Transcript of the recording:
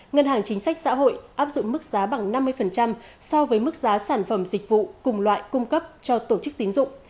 ngân hàng chính sách xã hội áp dụng mức giá bằng năm mươi so với mức giá sản phẩm dịch vụ cùng loại cung cấp cho tổ chức tín dụng